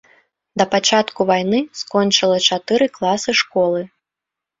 Да пачатку вайны скончыла чатыры класы школы.